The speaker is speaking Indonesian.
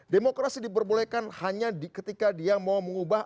demokrasi diperbolehkan hanya ketika dia mau mengubah